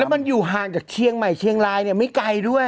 แล้วมันอยู่ราวจากเชียงใหม่เชียงรายเนี่ยไม่ไกลด้วย